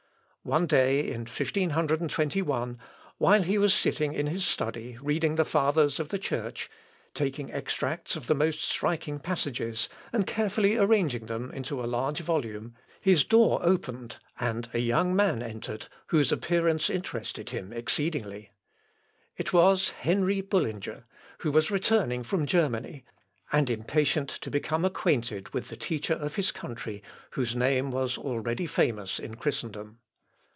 One day in 1521, while he was sitting in his study reading the Fathers of the Church, taking extracts of the most striking passages, and carefully arranging them into a large volume, his door opened, and a young man entered whose appearance interested him exceedingly. It was Henry Bullinger, who was returning from Germany, and impatient to become acquainted with the teacher of his country, whose name was already famous in Christendom.